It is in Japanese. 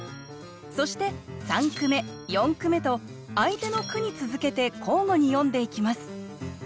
そして三句目四句目と相手の句に続けて交互に詠んでいきます。